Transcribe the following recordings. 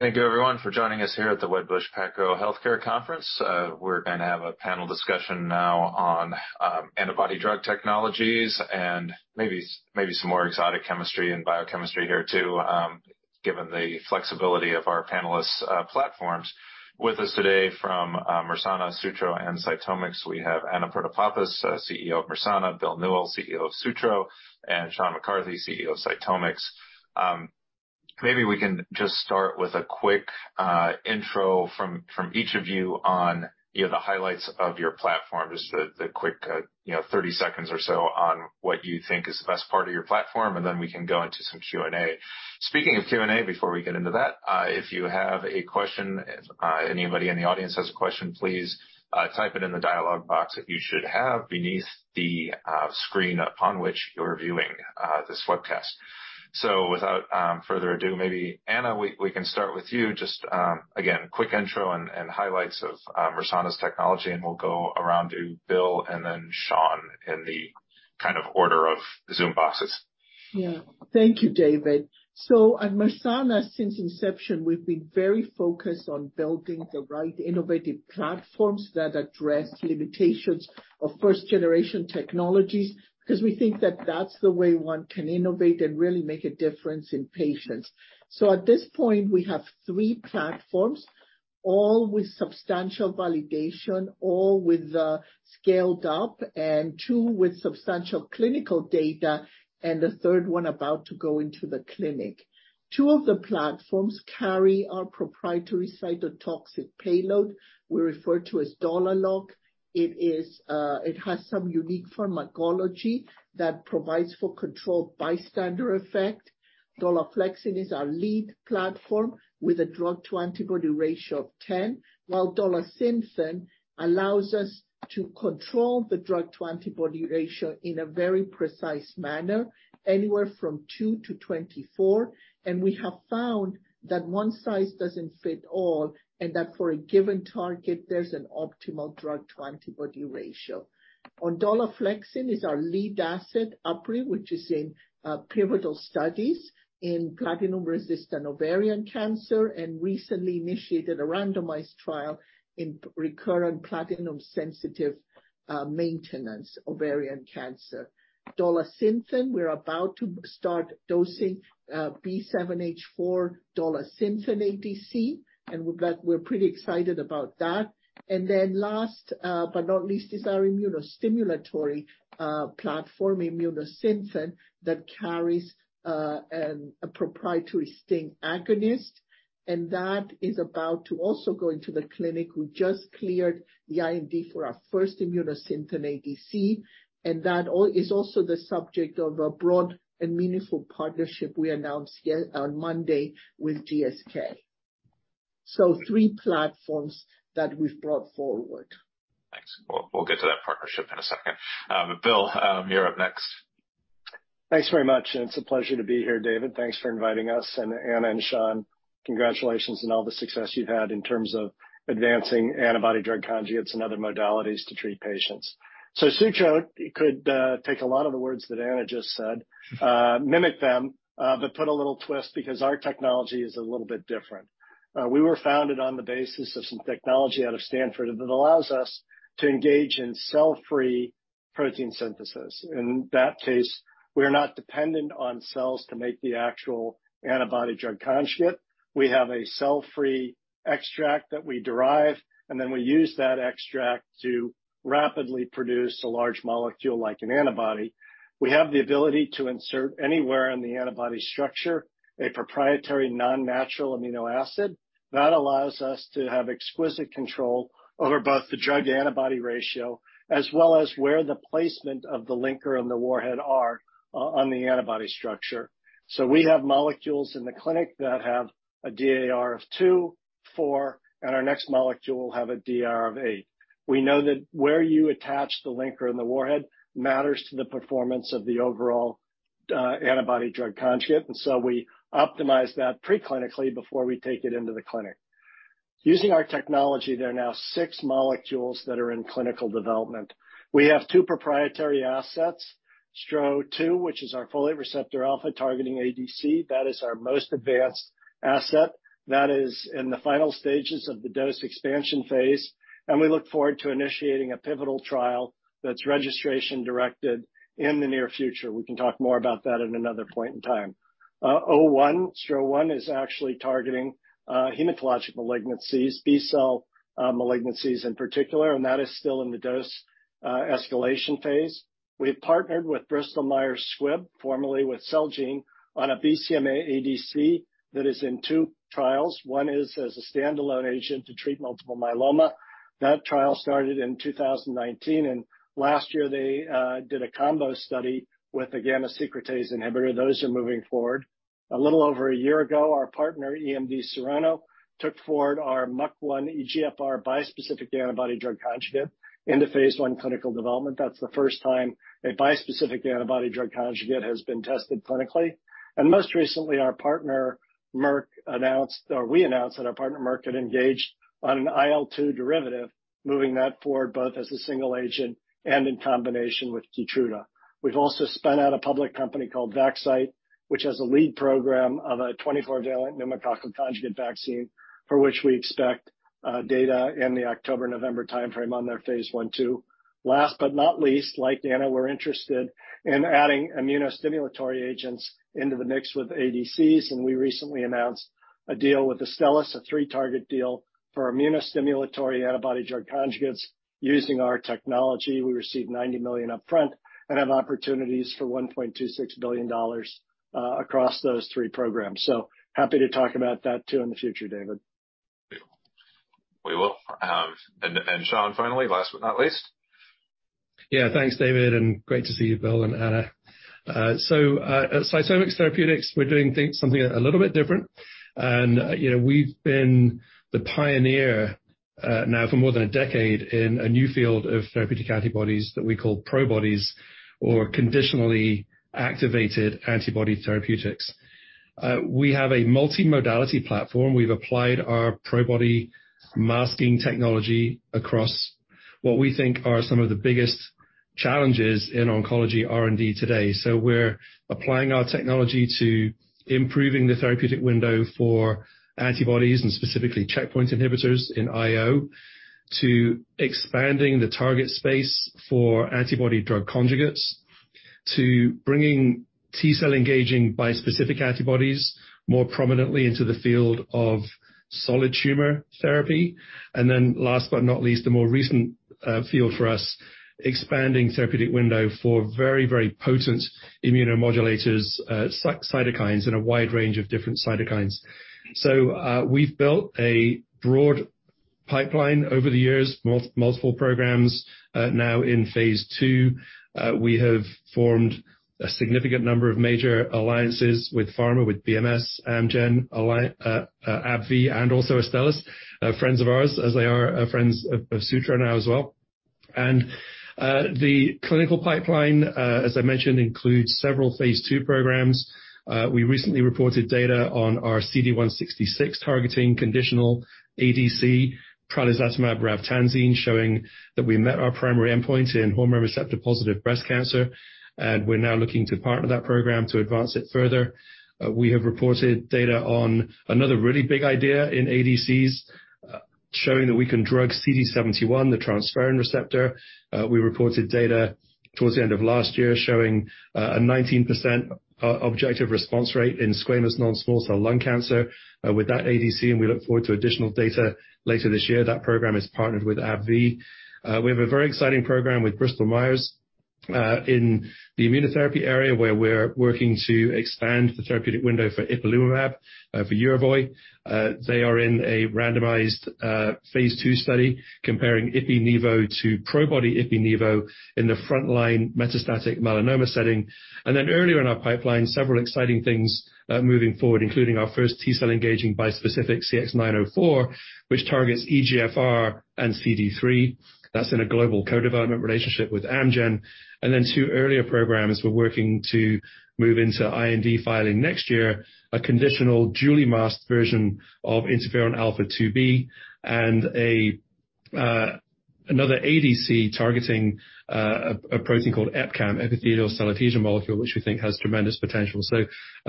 Thank you everyone for joining us here at the Wedbush PacGrow Healthcare Conference. We're gonna have a panel discussion now on antibody drug technologies and maybe some more exotic chemistry and biochemistry here too, given the flexibility of our panelists' platforms. With us today from Mersana, Sutro, and CytomX, we have Anna Protopapas, CEO of Mersana, Bill Newell, CEO of Sutro, and Sean McCarthy, CEO of CytomX. Maybe we can just start with a quick intro from each of you on the highlights of your platform. Just the quick 30 seconds or so on what you think is the best part of your platform, and then we can go into some Q&A. Speaking of Q&A, before we get into that, if you have a question, if anybody in the audience has a question, please type it in the dialogue box that you should have beneath the screen upon which you're viewing this webcast. Without further ado, maybe Anna, we can start with you. Just again, quick intro and highlights of Mersana's technology, and we'll go around to Bill and then Sean in the kind of order of Zoom boxes. Yeah. Thank you, David. At Mersana, since inception, we've been very focused on building the right innovative platforms that address limitations of first-generation technologies, because we think that that's the way one can innovate and really make a difference in patients. At this point, we have three platforms, all with substantial validation, all with scaled up, and two with substantial clinical data, and the third one about to go into the clinic. Two of the platforms carry our proprietary cytotoxic payload we refer to as DolaLock. It is, it has some unique pharmacology that provides for controlled bystander effect. Dolaflexin is our lead platform with a drug-to-antibody ratio of 10, while Dolasynthen allows us to control the drug-to-antibody ratio in a very precise manner, anywhere from 2-24. We have found that one size doesn't fit all, and that for a given target, there's an optimal drug-to-antibody ratio. Our Dolaflexin is our lead asset, UpRi, which is in pivotal studies in platinum-resistant ovarian cancer and recently initiated a randomized trial in recurrent platinum-sensitive maintenance ovarian cancer. Dolasynthen, we're about to start dosing B7-H4 Dolasynthen ADC, and we're pretty excited about that. Last, but not least, is our immunostimulatory platform, Immunosynthen, that carries a proprietary STING agonist, and that is about to also go into the clinic. We just cleared the IND for our first Immunosynthen ADC, and that is also the subject of a broad and meaningful partnership we announced on Monday with GSK. Three platforms that we've brought forward. Thanks. We'll get to that partnership in a second. Bill, you're up next. Thanks very much, and it's a pleasure to be here, David. Thanks for inviting us. Anna and Sean, congratulations on all the success you've had in terms of advancing antibody-drug conjugates and other modalities to treat patients. Sutro could take a lot of the words that Anna just said, mimic them, but put a little twist because our technology is a little bit different. We were founded on the basis of some technology out of Stanford that allows us to engage in cell-free protein synthesis. In that case, we are not dependent on cells to make the actual antibody-drug conjugate. We have a cell-free extract that we derive, and then we use that extract to rapidly produce a large molecule like an antibody. We have the ability to insert anywhere in the antibody structure a proprietary non-natural amino acid. That allows us to have exquisite control over both the drug-to-antibody ratio, as well as where the placement of the linker and the warhead are on the antibody structure. We have molecules in the clinic that have a DAR of 2, 4, and our next molecule will have a DAR of 8. We know that where you attach the linker and the warhead matters to the performance of the overall antibody drug conjugate, and so we optimize that pre-clinically before we take it into the clinic. Using our technology, there are now six molecules that are in clinical development. We have two proprietary assets, STRO-002, which is our folate receptor alpha targeting ADC. That is our most advanced asset. That is in the final stages of the dose expansion phase, and we look forward to initiating a pivotal trial that's registration-directed in the near future. We can talk more about that at another point in time. STRO-001 is actually targeting hematologic malignancies, B-cell malignancies in particular, and that is still in the dose escalation phase. We've partnered with Bristol Myers Squibb, formerly with Celgene, on a BCMA ADC that is in two trials. One is as a standalone agent to treat multiple myeloma. That trial started in 2019, and last year they did a combo study with a gamma secretase inhibitor. Those are moving forward. A little over a year ago, our partner EMD Serono took forward our MUC1 EGFR bispecific antibody drug conjugate into phase I clinical development. That's the first time a bispecific antibody drug conjugate has been tested clinically. Most recently, our partner Merck announced, or we announced that our partner Merck had engaged on an IL-2 derivative, moving that forward both as a single agent and in combination with Keytruda. We've also spun out a public company called Vaxcyte, which has a lead program of a 24-valent pneumococcal conjugate vaccine, for which we expect data in the October-November timeframe on their phase 1/2. Last but not least, like Anna, we're interested in adding immunostimulatory agents into the mix with ADCs, and we recently announced a deal with Astellas, a three-target deal for immunostimulatory antibody drug conjugates. Using our technology, we received $90 million upfront and have opportunities for $1.26 billion across those three programs. Happy to talk about that too in the future, David. We will. Sean, finally. Last but not least. Yeah. Thanks, David, and great to see you, Bill and Anna. At CytomX Therapeutics, we're doing things something a little bit different. You know, we've been the pioneer, now for more than a decade in a new field of therapeutic antibodies that we call Pro Bodies or conditionally activated antibody therapeutics. We have a multi-modality platform. We've applied our Pro Body masking technology across what we think are some of the biggest challenges in oncology R&D today. We're applying our technology to improving the therapeutic window for antibodies and specifically checkpoint inhibitors in IO, to expanding the target space for antibody drug conjugates, to bringing T-cell engaging bispecific antibodies more prominently into the field of solid tumor therapy. Last but not least, the more recent field for us, expanding therapeutic window for very, very potent immunomodulators, cytokines in a wide range of different cytokines. We've built a broad pipeline over the years, multiple programs now in phase II. We have formed a significant number of major alliances with pharma, with BMS, Amgen, AbbVie and also Astellas, friends of ours as they are, friends of Sutro now as well. The clinical pipeline, as I mentioned, includes several phase II programs. We recently reported data on our CD166 targeting conditional ADC praluzatamab ravtansine, showing that we met our primary endpoint in hormone receptor-positive breast cancer, and we're now looking to partner that program to advance it further. We have reported data on another really big idea in ADCs, showing that we can drug CD71, the transferrin receptor. We reported data towards the end of last year showing a 19% objective response rate in squamous non-small cell lung cancer with that ADC, and we look forward to additional data later this year. That program is partnered with AbbVie. We have a very exciting program with Bristol Myers Squibb in the immunotherapy area where we're working to expand the therapeutic window for ipilimumab of Yervoy. They are in a randomized phase II study comparing Ipi/Nivo to Probody Ipi/Nivo in the frontline metastatic melanoma setting. Then earlier in our pipeline, several exciting things moving forward, including our first T-cell engaging bispecific CX-904, which targets EGFR and CD3. That's in a global co-development relationship with Amgen. Two earlier programs we're working to move into IND filing next year, a conditionally masked version of interferon alpha 2b and another ADC targeting a protein called EpCAM, epithelial cell adhesion molecule, which we think has tremendous potential.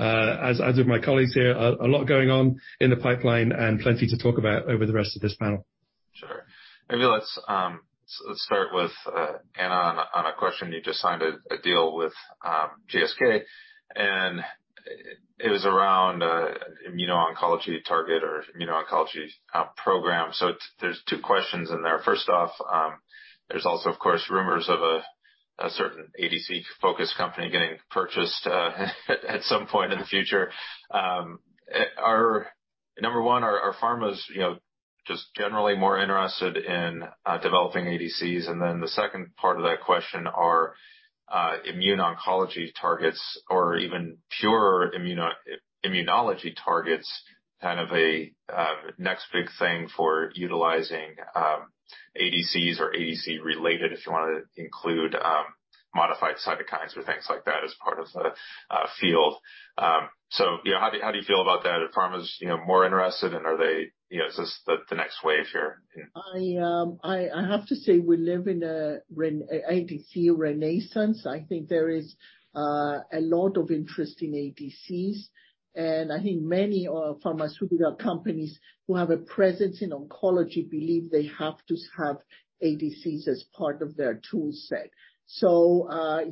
As with my colleagues here, a lot going on in the pipeline and plenty to talk about over the rest of this panel. Sure. Maybe let's start with Anna on a question. You just signed a deal with GSK, and it was around immuno-oncology target or immuno-oncology program. There's two questions in there. First off, there's also, of course, rumors of a certain ADC-focused company getting purchased at some point in the future. Number one, are pharmas just generally more interested in developing ADCs? And then the second part of that question, are immuno-oncology targets or even pure immunology targets a next big thing for utilizing ADCs or ADC related if you wanna include modified cytokines or things like that as part of the field. You know, how do you feel about that? Are pharmas more interested and are they, you know, is this the next wave here? I have to say we live in an ADC renaissance. I think there is a lot of interest in ADCs, and I think many pharmaceutical companies who have a presence in oncology believe they have to have ADCs as part of their tool set.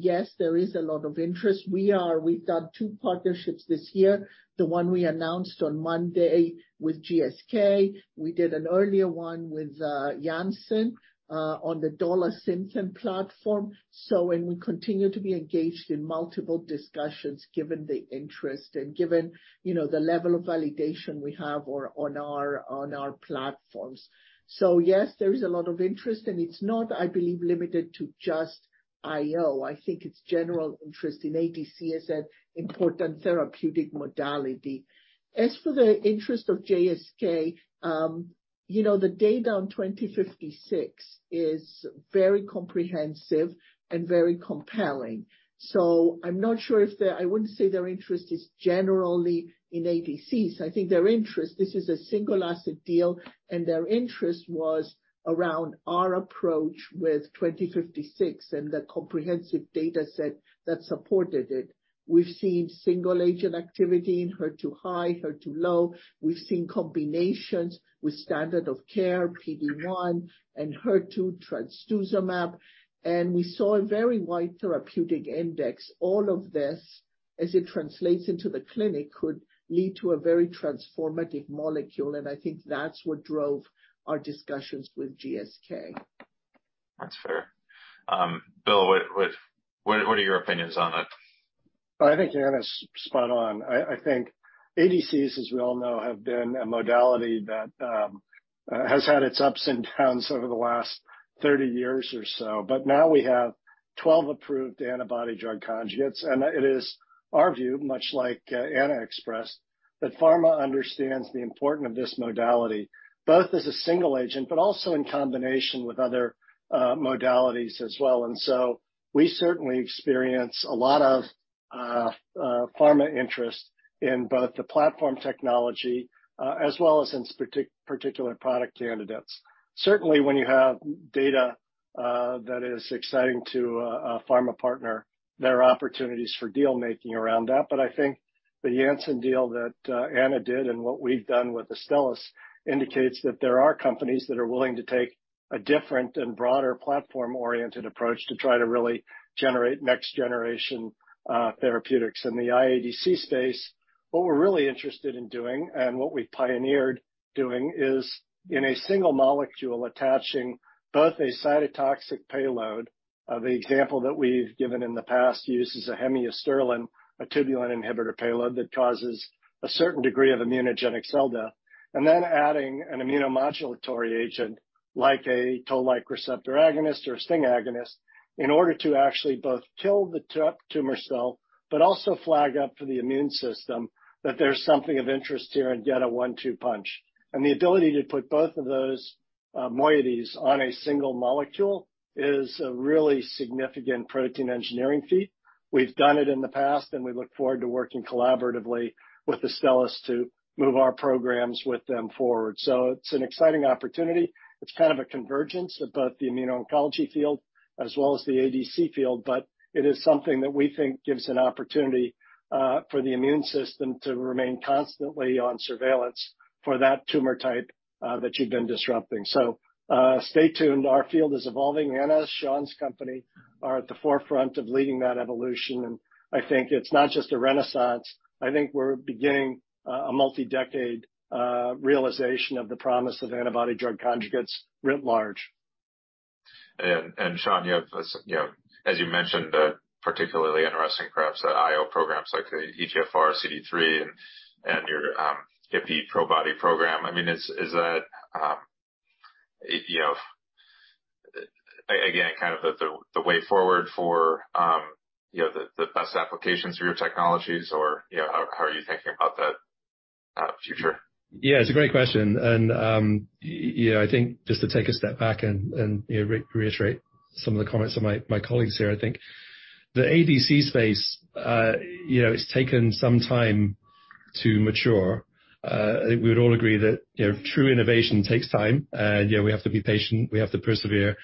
Yes, there is a lot of interest. We've done two partnerships this year, the one we announced on Monday with GSK. We did an earlier one with Janssen on the Dolasynthen platform. We continue to be engaged in multiple discussions, given the interest and given, you know, the level of validation we have on our platforms. Yes, there is a lot of interest, and it's not, I believe, limited to just IO. I think it's general interest in ADC as an important therapeutic modality. As for the interest of GSK, the data on XMT-2056 is very comprehensive and very compelling. I'm not sure if they're. I wouldn't say their interest is generally in ADCs. I think their interest, this is a single asset deal, and their interest was around our approach with XMT-2056 and the comprehensive data set that supported it. We've seen single agent activity in HER2 high, HER2 low. We've seen combinations with standard of care, PD-1 and HER2 Trastuzumab. We saw a very wide therapeutic index. All of this, as it translates into the clinic, could lead to a very transformative molecule, and I think that's what drove our discussions with GSK. That's fair. Bill, what are your opinions on it? I think Anna's spot on. I think ADCs, as we all know, have been a modality that has had its ups and downs over the last 30 years or so. Now we have 12 approved antibody drug conjugates, and it is our view, much like Anna expressed, that pharma understands the importance of this modality, both as a single agent, but also in combination with other modalities as well. We certainly experience a lot of pharma interest in both the platform technology, as well as in particular product candidates. Certainly, when you have data that is exciting to a pharma partner, there are opportunities for deal-making around that. I think the Janssen deal that Anna did and what we've done with Astellas indicates that there are companies that are willing to take a different and broader platform-oriented approach to try to really generate next-generation therapeutics. In the IADC space, what we're really interested in doing, and what we've pioneered doing, is in a single molecule attaching both a cytotoxic payload. The example that we've given in the past uses a hemiasterlin, a tubulin inhibitor payload that causes a certain degree of immunogenic cell death, and then adding an immunomodulatory agent like a toll-like receptor agonist or a sting agonist in order to actually both kill the tumor cell, but also flag up to the immune system that there's something of interest here and get a one-two punch. The ability to put both of those moieties on a single molecule is a really significant protein engineering feat. We've done it in the past, and we look forward to working collaboratively with Astellas to move our programs with them forward. It's an exciting opportunity. It's kind of a convergence of both the immuno-oncology field as well as the ADC field, but it is something that we think gives an opportunity for the immune system to remain constantly on surveillance for that tumor type that you've been disrupting. Stay tuned. Our field is evolving. Anna, Sean's company are at the forefront of leading that evolution, and I think it's not just a renaissance. I think we're beginning a multi-decade realization of the promise of antibody-drug conjugates writ large. Sean, you have, as you know, as you mentioned, particularly interesting perhaps IO programs like the EGFR, CD3 and your Probody program. I mean, is that you know again, kind of the way forward for you know, the best applications for your technologies or, you know, how are you thinking about the future? Yeah, it's a great question. I think just to take a step back and reiterate some of the comments of my colleagues here. I think the ADC space, you know, it's taken some time to mature. We would all agree that, you know, true innovation takes time. You know, we have to be patient, we have to persevere.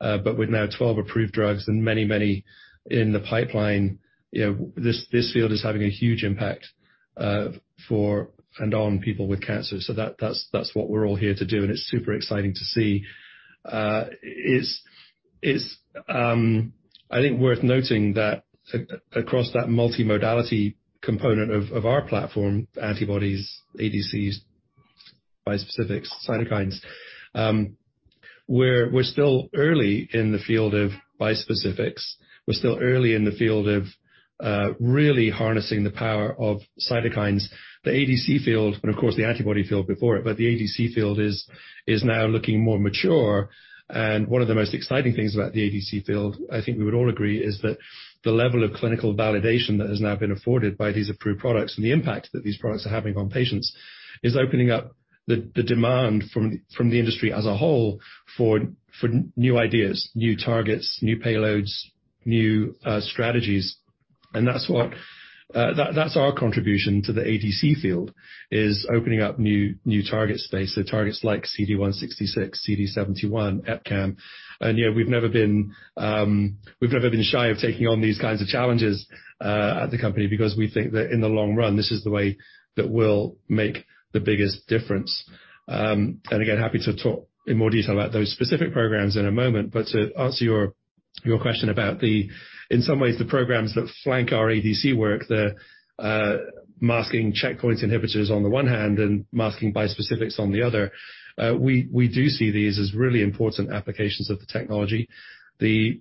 With now 12 approved drugs and many in the pipeline, you know, this field is having a huge impact for and on people with cancer. That's what we're all here to do, and it's super exciting to see. It's worth noting that across that multimodality component of our platform, antibodies, ADCs, bispecifics, cytokines, we're still early in the field of bispecifics. We're still early in the field of really harnessing the power of cytokines. The ADC field, and of course, the antibody field before it, but the ADC field is now looking more mature. One of the most exciting things about the ADC field, I think we would all agree, is that the level of clinical validation that has now been afforded by these approved products and the impact that these products are having on patients is opening up the demand from the industry as a whole for new ideas, new targets, new payloads, new strategies. That's our contribution to the ADC field, is opening up new target space. Targets like CD166, CD71, EpCAM. We've never been shy of taking on these kinds of challenges at the company because we think that in the long run, this is the way that we'll make the biggest difference. Again, happy to talk in more detail about those specific programs in a moment. To answer your question about, in some ways, the programs that flank our ADC work, the masking checkpoint inhibitors on the one hand and masking bispecifics on the other, we do see these as really important applications of the technology. The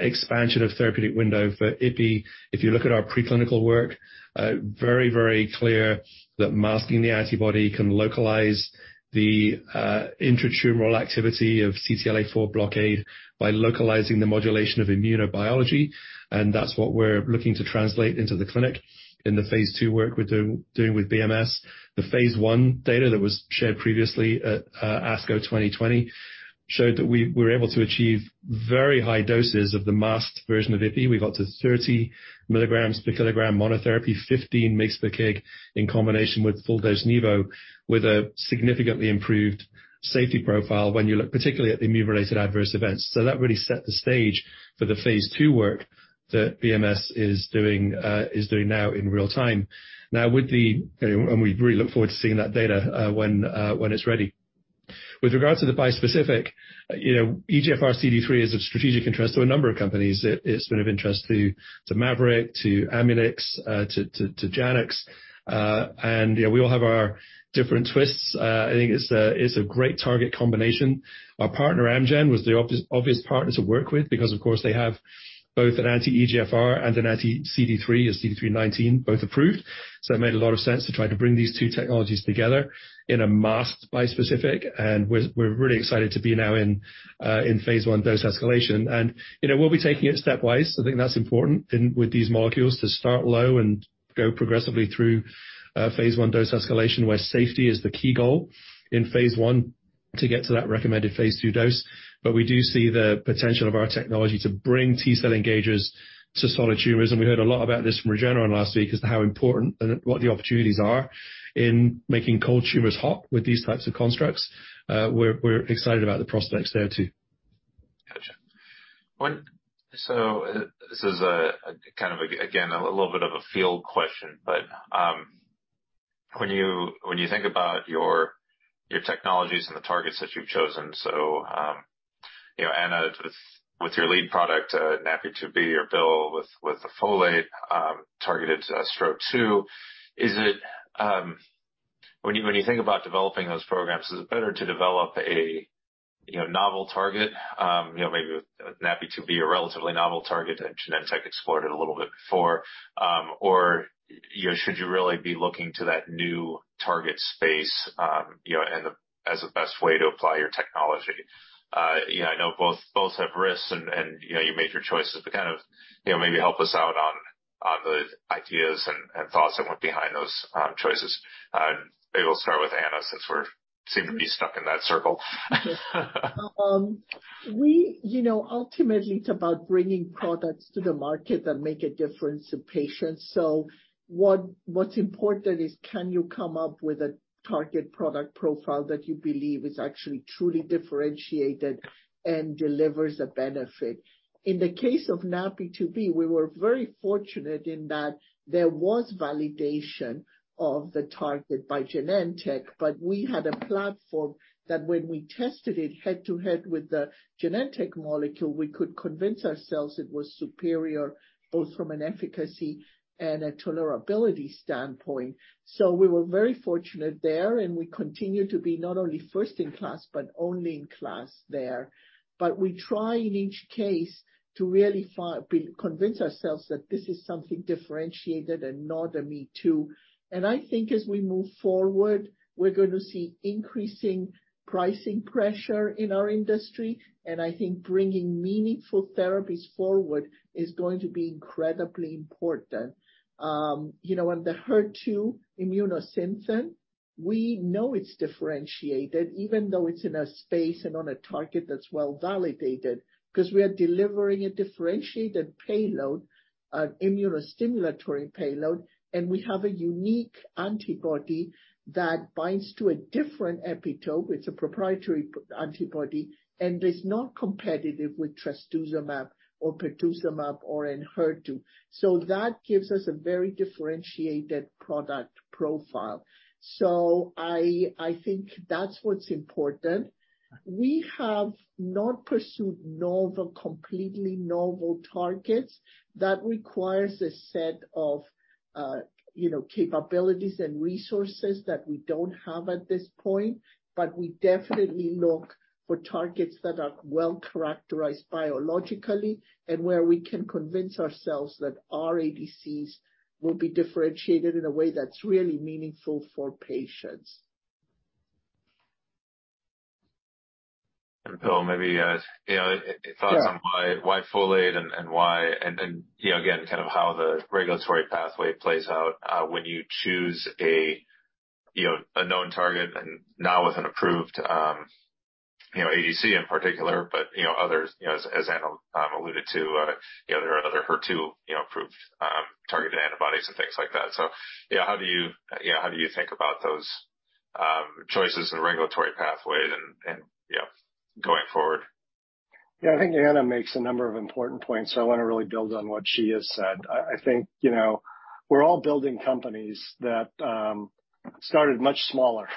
expansion of therapeutic window for Ipi, if you look at our preclinical work, very clear that masking the antibody can localize the intratumoral activity of CTLA-4 blockade by localizing the modulation of immunobiology. That's what we're looking to translate into the clinic in the phase II work we're doing with BMS. The phase I data that was shared previously at ASCO 2020 showed that we're able to achieve very high doses of the masked version of Ipi. We got to 30 mg per kg monotherapy, 15 mg per kg in combination with full-dose Nivo, with a significantly improved safety profile when you look particularly at immune-related adverse events. That really set the stage for the phase II work that BMS is doing now in real time. We really look forward to seeing that data when it's ready. With regard to the bispecific EGFR CD3 is of strategic interest to a number of companies. It's been of interest to Maverick, to Amunix, to Janux. You know, we all have our different twists. I think it's a great target combination. Our partner, Amgen, was the obvious partner to work with because, of course, they have both an anti-EGFR and an anti-CD3, a CD19, both approved. So it made a lot of sense to try to bring these two technologies together in a masked bispecific, and we're really excited to be now in phase I dose escalation. We'll be taking it stepwise. I think that's important with these molecules to start low and go progressively through phase I dose escalation, where safety is the key goal in phase I to get to that recommended phase II dose. We do see the potential of our technology to bring T-cell engagers to solid tumors. We heard a lot about this from Regeneron last week as to how important and what the opportunities are in making cold tumors hot with these types of constructs. We're excited about the prospects there too. Got you. This is again a little bit of a field question, but when you think about your technologies and the targets that you've chosen Anna, with your lead product NaPi2b or Bill with the folate targeted STRO-002. When you think about developing those programs, is it better to develop a novel target maybe NaPi2b, a relatively novel target that Genentech explored a little bit before, or should you really be looking to that new target space and as the best way to apply your technology? I know both have risks and you know, you made your choices, but maybe help us out on the ideas and thoughts that went behind those choices. Maybe we'll start with Anna, since we seem to be stuck in that circle. We ultimately it's about bringing products to the market that make a difference to patients. What's important is can you come up with a target product profile that you believe is actually truly differentiated and delivers a benefit? In the case of NaPi2b, we were very fortunate in that there was validation of the target by Genentech, but we had a platform that when we tested it head-to-head with the Genentech molecule, we could convince ourselves it was superior, both from an efficacy and a tolerability standpoint. We were very fortunate there, and we continue to be not only first in class, but only in class there. We try in each case to really convince ourselves that this is something differentiated and not a me too. I think as we move forward, we're gonna see increasing pricing pressure in our industry, and I think bringing meaningful therapies forward is going to be incredibly important. You know, on the HER2 Immunosynthen, we know it's differentiated, even though it's in a space and on a target that's well validated, 'cause we are delivering a differentiated payload, an immunostimulatory payload, and we have a unique antibody that binds to a different epitope. It's a proprietary antibody, and it's not competitive with Trastuzumab or Pertuzumab or Enhertu. That gives us a very differentiated product profile. I think that's what's important. We have not pursued novel, completely novel targets. That requires a set of, you know, capabilities and resources that we don't have at this point. We definitely look for targets that are well-characterized biologically and where we can convince ourselves that our ADCs will be differentiated in a way that's really meaningful for patients. Bill, maybe thoughts on why folate and why again, how the regulatory pathway plays out, when you choose a known target and not with an approved ADC in particular, but others as Anna alluded to, you know, there are other HER2 approved targeted antibodies and things like that. How do you think about those choices and regulatory pathways and going forward? Anna makes a number of important points. I wanna really build on what she has said. I think, you know, we're all building companies that started much smaller.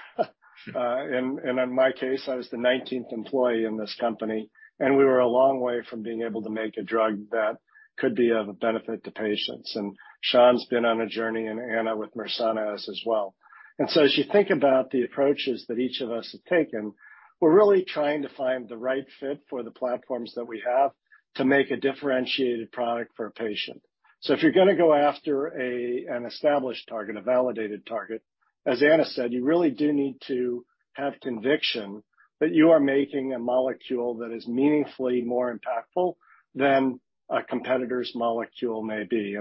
In my case, I was the 19th employee in this company, and we were a long way from being able to make a drug that could be of benefit to patients. Sean's been on a journey, and Anna with Mersana as well. As you think about the approaches that each of us have taken, we're really trying to find the right fit for the platforms that we have to make a differentiated product for a patient. If you're gonna go after an established target, a validated target. As Anna said, you really do need to have conviction that you are making a molecule that is meaningfully more impactful than a competitor's molecule may be.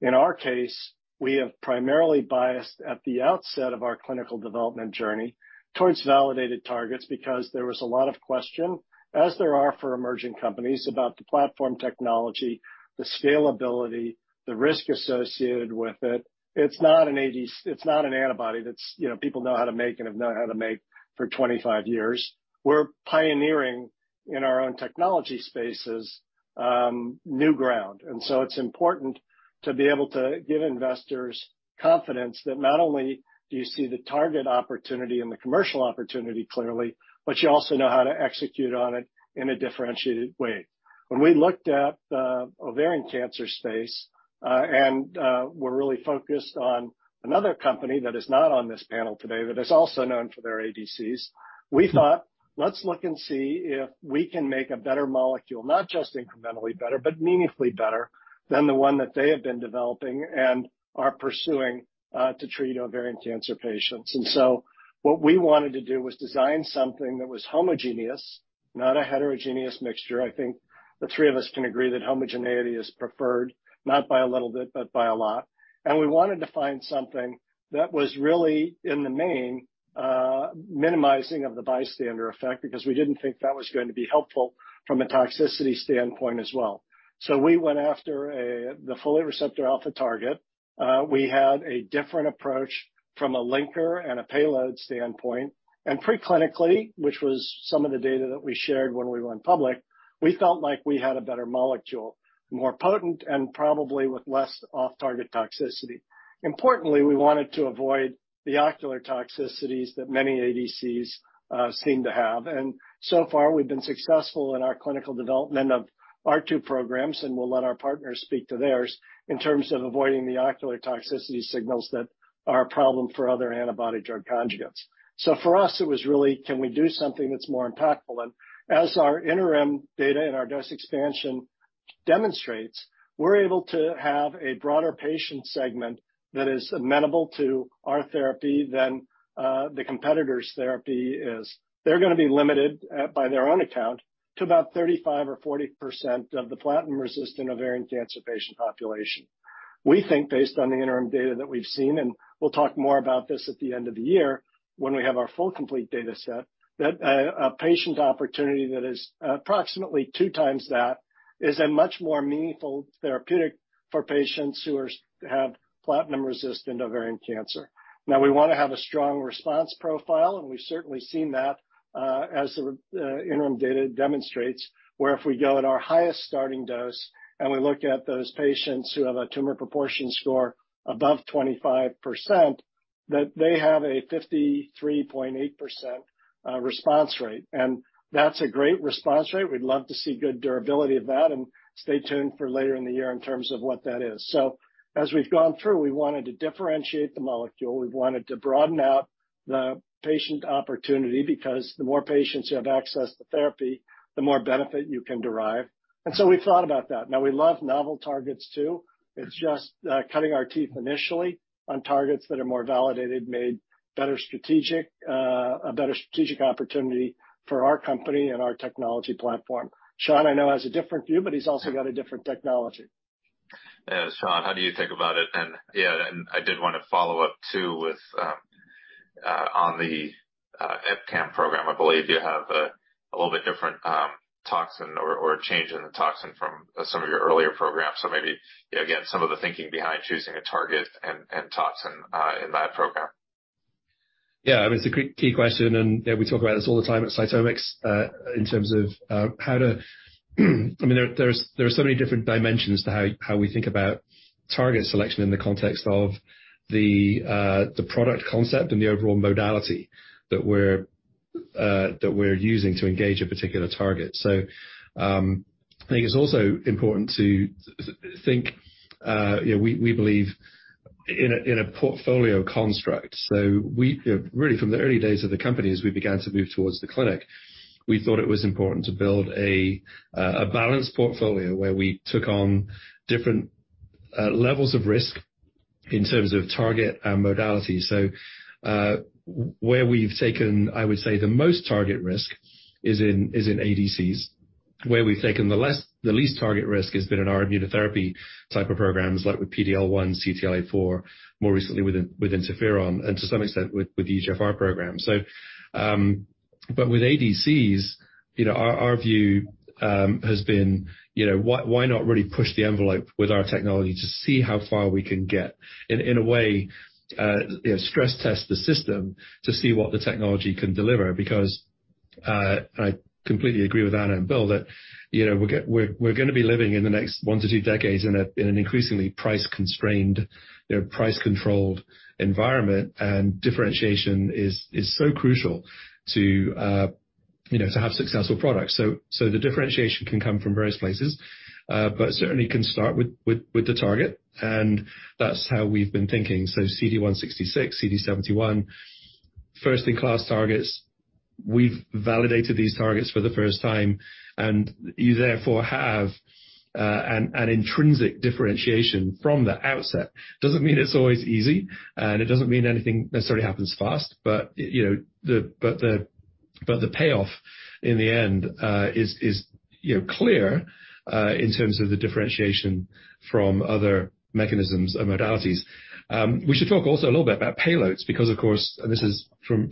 In our case, we have primarily biased at the outset of our clinical development journey towards validated targets because there was a lot of question, as there are for emerging companies, about the platform technology, the scalability, the risk associated with it. It's not an antibody that's people know how to make and have known how to make for 25 years. We're pioneering in our own technology spaces, new ground, and so it's important to be able to give investors confidence that not only do you see the target opportunity and the commercial opportunity clearly, but you also know how to execute on it in a differentiated way. When we looked at the ovarian cancer space, and, we're really focused on another company that is not on this panel today, but is also known for their ADCs, we thought, let's look and see if we can make a better molecule, not just incrementally better, but meaningfully better than the one that they have been developing and are pursuing, to treat ovarian cancer patients. What we wanted to do was design something that was homogeneous, not a heterogeneous mixture. I think the three of us can agree that homogeneity is preferred, not by a little bit, but by a lot. We wanted to find something that was really, in the main, minimizing of the bystander effect because we didn't think that was going to be helpful from a toxicity standpoint as well. We went after the folate receptor alpha target. We had a different approach from a linker and a payload standpoint. Pre-clinically, which was some of the data that we shared when we went public, we felt like we had a better molecule, more potent and probably with less off-target toxicity. Importantly, we wanted to avoid the ocular toxicities that many ADCs seem to have. So far, we've been successful in our clinical development of our two programs, and we'll let our partners speak to theirs, in terms of avoiding the ocular toxicity signals that are a problem for other antibody-drug conjugates. For us, it was really, can we do something that's more impactful? As our interim data and our dose expansion demonstrates, we're able to have a broader patient segment that is amenable to our therapy than the competitor's therapy is. They're gonna be limited by their own account to about 35% or 40% of the platinum-resistant ovarian cancer patient population. We think based on the interim data that we've seen, and we'll talk more about this at the end of the year when we have our full complete data set, that a patient opportunity that is approximately 2x that is a much more meaningful therapeutic for patients who have platinum-resistant ovarian cancer. Now we wanna have a strong response profile, and we've certainly seen that, as the interim data demonstrates, where if we go at our highest starting dose and we look at those patients who have a tumor proportion score above 25%, that they have a 53.8% response rate. That's a great response rate. We'd love to see good durability of that and stay tuned for later in the year in terms of what that is. As we've gone through, we wanted to differentiate the molecule. We wanted to broaden out the patient opportunity because the more patients who have access to therapy, the more benefit you can derive. We've thought about that. Now we love novel targets too. It's just cutting our teeth initially on targets that are more validated, a better strategic opportunity for our company and our technology platform. Sean McCarthy, I know, has a different view, but he's also got a different technology. Yes. Sean, how do you think about it? I did wanna follow up too with on the EpCAM program. I believe you have a little bit different toxin or change in the toxin from some of your earlier programs. Maybe, you know, again, some of the thinking behind choosing a target and toxin in that program. It's a great key question, and, you know, we talk about this all the time at CytomX, in terms of how to. I mean, there are so many different dimensions to how we think about target selection in the context of the product concept and the overall modality that we're using to engage a particular target. I think it's also important to think, you know, we believe in a portfolio construct. You know, really from the early days of the company, as we began to move towards the clinic, we thought it was important to build a balanced portfolio where we took on different levels of risk in terms of target and modality. Where we've taken, I would say, the most target risk is in ADCs. Where we've taken the least target risk has been in our immunotherapy\-type of programs, like with PD-L1, CTLA-4, more recently with interferon and to some extent with the EGFR program. But with ADCs, you know, our view has been, you know, why not really push the envelope with our technology to see how far we can get? In a way, you know, stress test the system to see what the technology can deliver because, and I completely agree with Anna and Bill that we're gonna be living in the next 1-2 decades in an increasingly price-constrained price-controlled environment, and differentiation is so crucial to, you know, to have successful products. So the differentiation can come from various places, but certainly can start with the target, and that's how we've been thinking. So CD166, CD71. First-in-class targets. We've validated these targets for the first time, and you therefore have an intrinsic differentiation from the outset. Doesn't mean it's always easy, and it doesn't mean anything necessarily happens fast, but you know the. The payoff in the end is you know clear in terms of the differentiation from other mechanisms and modalities. We should talk also a little bit about payloads because of course and this is from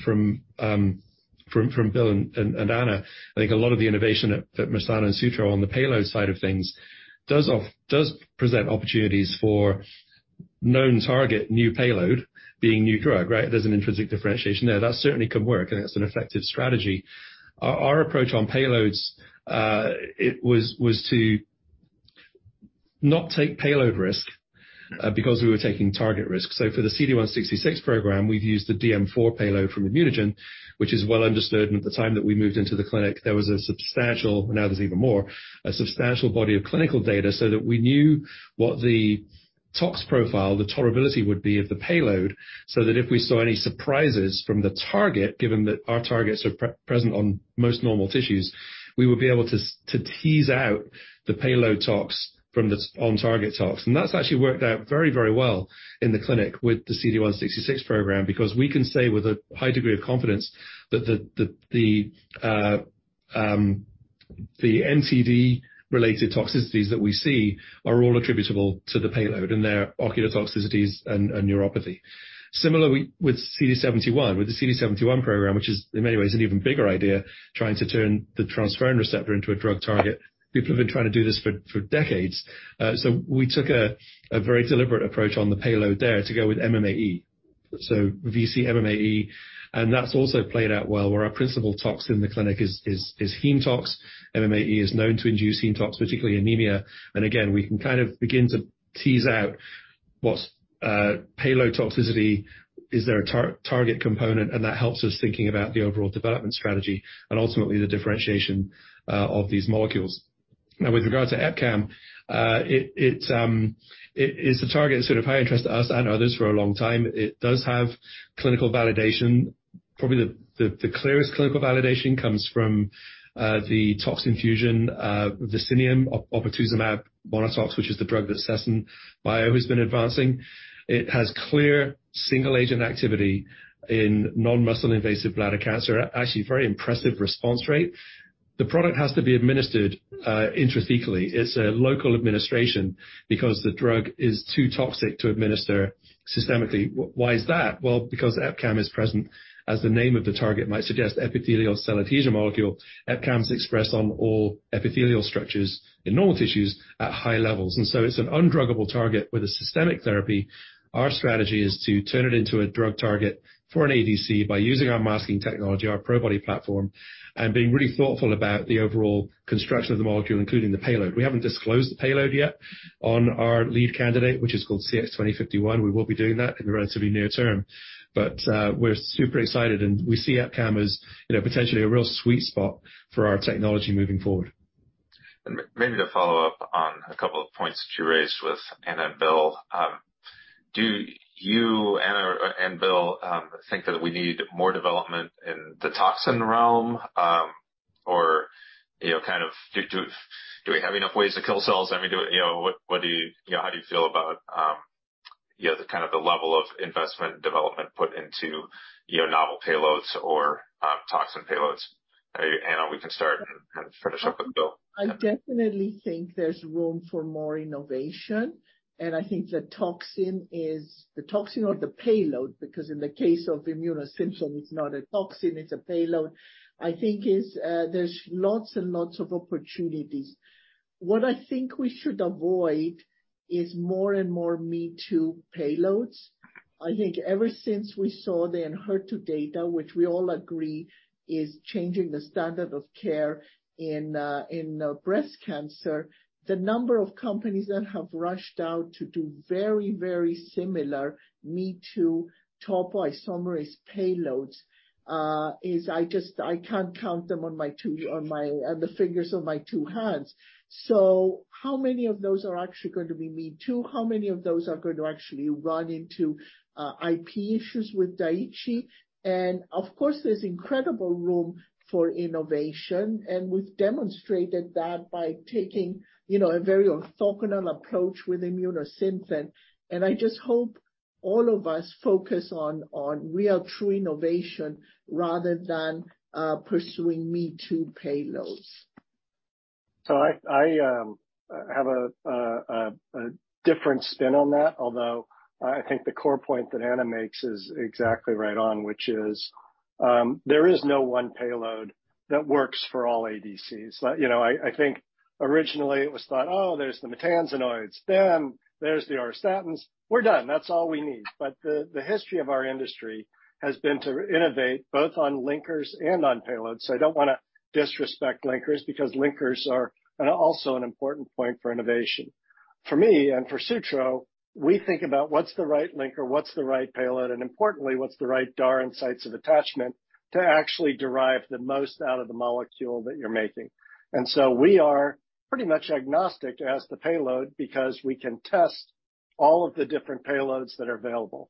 Bill and Anna. I think a lot of the innovation at Mersana and Sutro on the payload side of things does present opportunities for known target, new payload being new drug, right? There's an intrinsic differentiation there. That certainly can work, and it's an effective strategy. Our approach on payloads it was to not take payload risk because we were taking target risk. For the CD166 program, we've used the DM4 payload from ImmunoGen, which is well understood, and at the time that we moved into the clinic, there was a substantial, now there's even more, a substantial body of clinical data so that we knew what the tox profile, the tolerability would be of the payload, so that if we saw any surprises from the target, given that our targets are present on most normal tissues, we would be able to to tease out the payload tox from the on-target tox. That's actually worked out very, very well in the clinic with the CD166 program because we can say with a high degree of confidence that the NCD related toxicities that we see are all attributable to the payload and their ocular toxicities and neuropathy. Similar with the CD71 program, which is in many ways an even bigger idea, trying to turn the transferrin receptor into a drug target. People have been trying to do this for decades. We took a very deliberate approach on the payload there to go with MMAE, so VC-MMAE. That's also played out well where our principal toxin in the clinic is heme tox. MMAE is known to induce heme tox, particularly anemia. Again, we can kind of begin to tease out what's payload toxicity, is there a target component? That helps us thinking about the overall development strategy and ultimately the differentiation of these molecules. Now, with regard to EpCAM, it's a target of sort of high interest to us and others for a long time. It does have clinical validation. Probably the clearest clinical validation comes from the toxin fusion, Vicineum, oportuzumab monatox, which is the drug that Sesen Bio has been advancing. It has clear single-agent activity in non-muscle invasive bladder cancer. Actually, very impressive response rate. The product has to be administered intravesically. It's a local administration because the drug is too toxic to administer systemically. Why is that? Well, because EpCAM is present, as the name of the target might suggest, epithelial cell adhesion molecule. EpCAM is expressed on all epithelial structures in normal tissues at high levels. It's an undruggable target with a systemic therapy. Our strategy is to turn it into a drug target for an ADC by using our masking technology, our Probody platform, and being really thoughtful about the overall construction of the molecule, including the payload. We haven't disclosed the payload yet on our lead candidate, which is called CX-2051. We will be doing that in the relatively near term. We're super excited, and we see EpCAM as, you know, potentially a real sweet spot for our technology moving forward. Maybe to follow up on a couple of points that you raised with Anna and Bill, do you, Anna or Bill, think that we need more development in the toxin realm, or you know, kind of do we have enough ways to kill cells? I mean, you know, how do you feel about you know, the kind of level of investment development put into you know, novel payloads or toxin payloads? And we can start and finish up with Bill. I definitely think there's room for more innovation, and I think the toxin or the payload, because in the case of Immunosynthen, it's not a toxin, it's a payload, I think is there's lots and lots of opportunities. What I think we should avoid is more and more me-too payloads. I think ever since we saw the Enhertu data, which we all agree is changing the standard of care in breast cancer, the number of companies that have rushed out to do very, very similar me-too topoisomerase payloads is. I just can't count them on the fingers of my two hands. How many of those are actually going to be me-too? How many of those are going to actually run into IP issues with Daiichi? Of course, there's incredible room for innovation, and we've demonstrated that by taking, you know, a very orthogonal approach with Immunosynthen. I just hope all of us focus on real true innovation rather than pursuing me-too payloads. I have a different spin on that. Although I think the core point that Anna makes is exactly right on, which is, there is no one payload that works for all ADCs. Like, you know, I think originally it was thought, oh, there's the maytansinoids, then there's the auristatins. We're done. That's all we need. The history of our industry has been to innovate both on linkers and on payloads. I don't wanna disrespect linkers because linkers are also an important point for innovation. For me and for Sutro, we think about what's the right linker, what's the right payload, and importantly, what's the right DAR and sites of attachment to actually derive the most out of the molecule that you're making. We are pretty much agnostic as the payload because we can test- All of the different payloads that are available.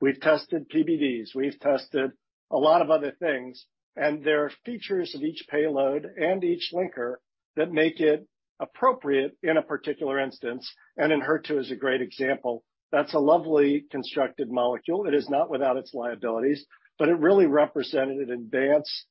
We've tested PBDs, we've tested a lot of other things, and there are features of each payload and each linker that make it appropriate in a particular instance, and HER2 is a great example. That's a lovely constructed molecule. It is not without its liabilities, but it really represented an advance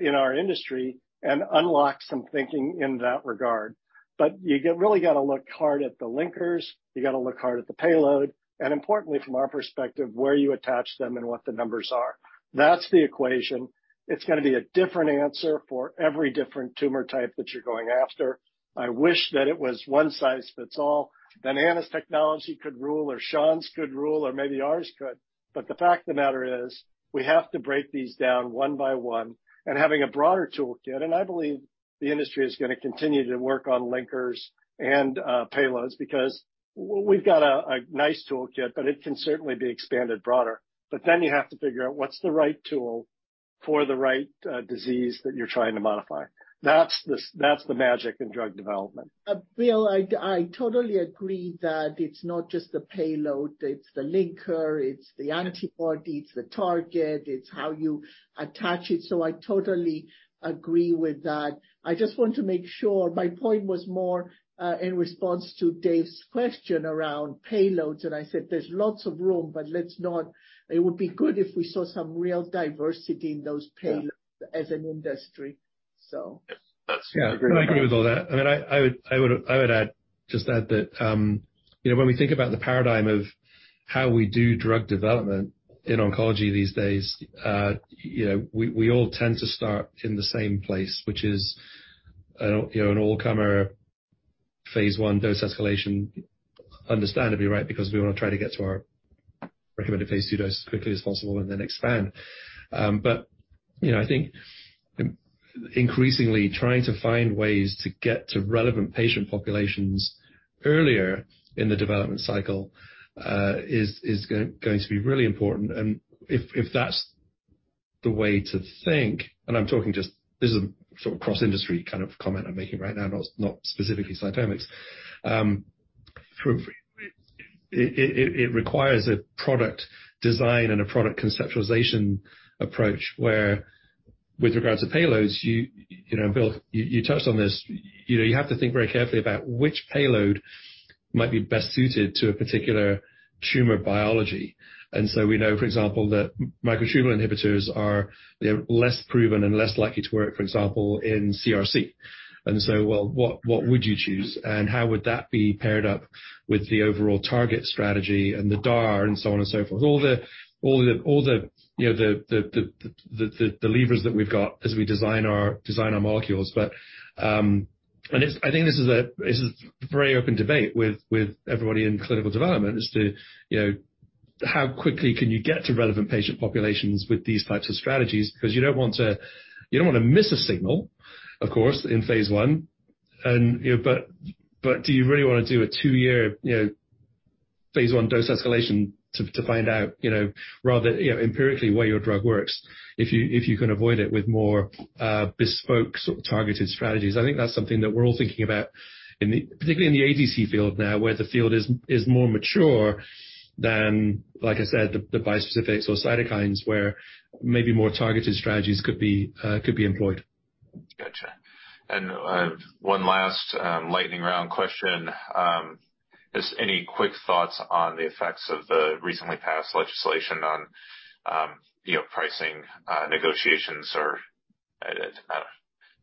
in our industry and unlocked some thinking in that regard. Really gotta look hard at the linkers, you gotta look hard at the payload, and importantly, from our perspective, where you attach them and what the numbers are. That's the equation. It's gonna be a different answer for every different tumor type that you're going after. I wish that it was one size fits all, then Anna's technology could rule or Sean's could rule, or maybe ours could. The fact of the matter is we have to break these down one by one, and having a broader toolkit, and I believe the industry is gonna continue to work on linkers and payloads because we've got a nice toolkit, but it can certainly be expanded broader. You have to figure out what's the right tool for the right disease that you're trying to modify. That's the magic in drug development. Bill, I totally agree that it's not just the payload, it's the linker, it's the antibody, it's the target, it's how you attach it. I totally agree with that. I just want to make sure, my point was more in response to Dave's question around payloads, and I said there's lots of room, but let's not. It would be good if we saw some real diversity in those payloads. As an industry, so. No, I agree with all that. I mean, I would add that, you know, when we think about the paradigm of how we do drug development in oncology these days, you know, we all tend to start in the same place, which is an all-comer phase I dose escalation, understandably, right? Because we wanna try to get to our recommended phase II dose as quickly as possible and then expand. You know, I think increasingly trying to find ways to get to relevant patient populations earlier in the development cycle is going to be really important. If that's the way to think, and I'm talking just this is a sort of cross-industry kind of comment I'm making right now, not specifically CytomX. It requires a product design and a product conceptualization approach where with regards to payloads, you know, Bill, you touched on this, you know, you have to think very carefully about which payload might be best suited to a particular tumor biology. We know, for example, that microtubule inhibitors are less proven and less likely to work, for example, in CRC. Well, what would you choose and how would that be paired up with the overall target strategy and the DAR and so on and so forth. All the, you know, the levers that we've got as we design our molecules. I think this is very open debate with everybody in clinical development as to, you know, how quickly can you get to relevant patient populations with these types of strategies because you don't want to, you don't wanna miss a signal, of course, in phase I. But do you really wanna do a two-year, you know, phase I dose escalation to find out rather empirically why your drug works if you can avoid it with more bespoke sort of targeted strategies. I think that's something that we're all thinking about in the particularly in the ADC field now, where the field is more mature than, like I said, the bispecifics or cytokines where maybe more targeted strategies could be employed. Gotcha. One last lightning round question. Just any quick thoughts on the effects of the recently passed legislation on, you know, pricing, negotiations or, I don't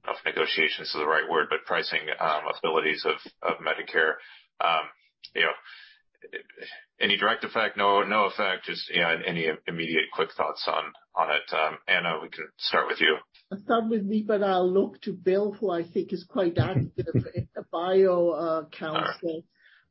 know if negotiations is the right word, but pricing, abilities of Medicare. You know, any direct effect? No effect, just any immediate quick thoughts on it? Anna, we can start with you. Start with me, but I'll look to Bill, who I think is quite active in the bio council.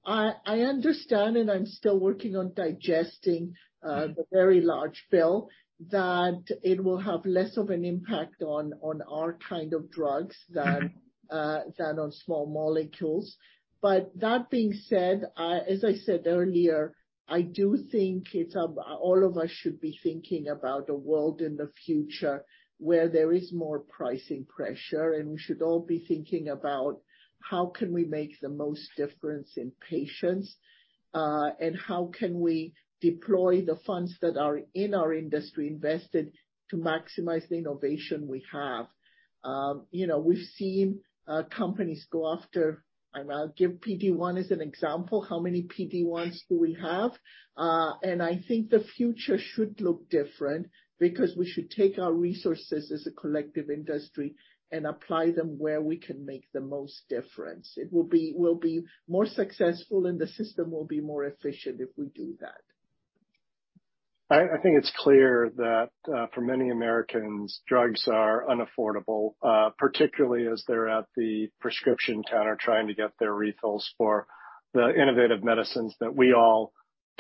I understand, and I'm still working on digesting. The very large bill, that it will have less of an impact on our kind of drugs than on small molecules. But that being said, as I said earlier, I do think all of us should be thinking about a world in the future where there is more pricing pressure, and we should all be thinking about how can we make the most difference in patients, and how can we deploy the funds that are in our industry invested to maximize the innovation we have. You know, we've seen companies go after. And I'll give PD-1 as an example, how many PD-1s do we have? And I think the future should look different because we should take our resources as a collective industry and apply them where we can make the most difference. It will be more successful and the system will be more efficient if we do that. I think it's clear that for many Americans, drugs are unaffordable, particularly as they're at the prescription counter trying to get their refills for the innovative medicines that we all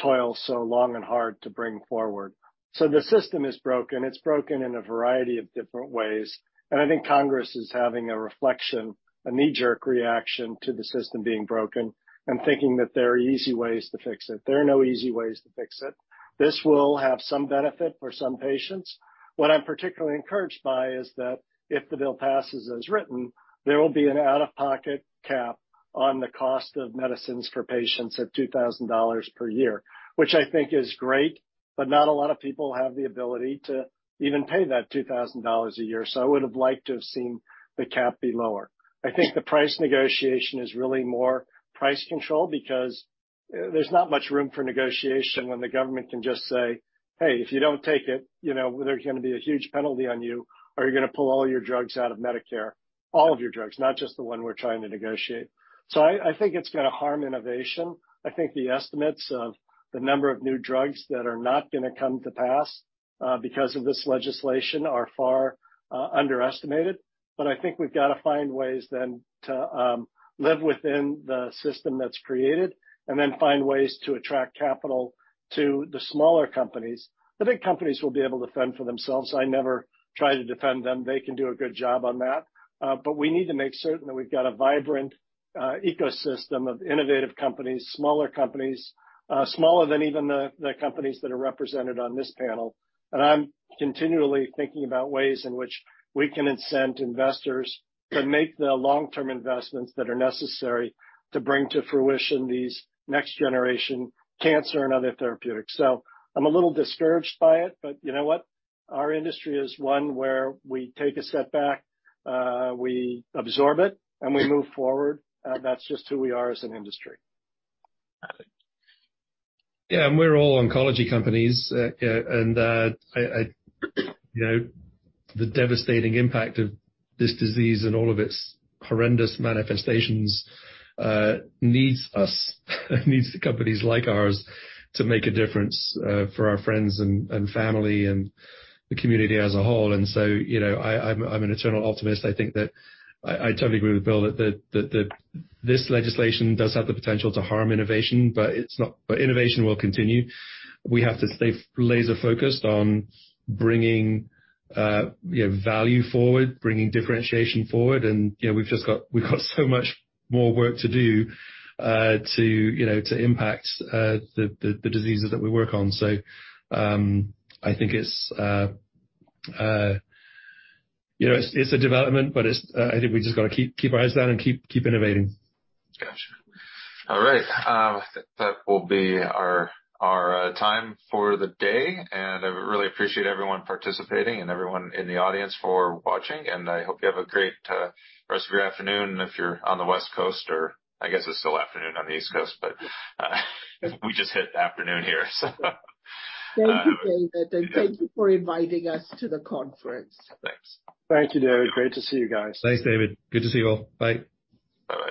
toil so long and hard to bring forward. The system is broken. It's broken in a variety of different ways, and I think Congress is having a reflection, a knee-jerk reaction to the system being broken and thinking that there are easy ways to fix it. There are no easy ways to fix it. This will have some benefit for some patients. What I'm particularly encouraged by is that if the bill passes as written, there will be an out-of-pocket cap on the cost of medicines for patients at $2,000 per year, which I think is great, but not a lot of people have the ability to even pay that $2,000 a year. I would have liked to have seen the cap be lower. I think the price negotiation is really more price control because there's not much room for negotiation when the government can just say, "Hey, if you don't take it, you know, there's gonna be a huge penalty on you, or you're gonna pull all your drugs out of Medicare, all of your drugs, not just the one we're trying to negotiate." I think it's gonna harm innovation. I think the estimates of the number of new drugs that are not gonna come to pass because of this legislation are far underestimated. I think we've got to find ways then to live within the system that's created and then find ways to attract capital to the smaller companies. The big companies will be able to fend for themselves. I never try to defend them. They can do a good job on that. We need to make certain that we've got a vibrant ecosystem of innovative companies, smaller companies, smaller than even the companies that are represented on this panel. I'm continually thinking about ways in which we can incent investors to make the long-term investments that are necessary to bring to fruition these next generation cancer and other therapeutics. I'm a little discouraged by it, but you know what? Our industry is one where we take a step back, we absorb it, and we move forward. That's just who we are as an industry. Yeah. We're all oncology companies. You know, the devastating impact of this disease and all of its horrendous manifestations needs us, needs the companies like ours to make a difference for our friends and family and the community as a whole. You know, I'm an eternal optimist. I think that I totally agree with Bill that this legislation does have the potential to harm innovation, but innovation will continue. We have to stay laser-focused on bringing value forward, bringing differentiation forward. You know, we've got so much more work to do to impact the diseases that we work on. I think it's, you know, it's a development, but it's, I think we just got to keep our eyes down and keep innovating. Gotcha. All right. That will be our time for the day. I really appreciate everyone participating and everyone in the audience for watching. I hope you have a great rest of your afternoon if you're on the West Coast, or I guess it's still afternoon on the East Coast, but we just hit afternoon here, so. Thank you, David, and thank you for inviting us to the conference. Thanks. Thank you, David. Great to see you guys. Thanks, David. Good to see you all. Bye. Bye-bye.